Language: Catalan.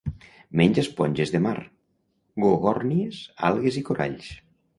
Menja esponges de mar, gorgònies, algues i coralls.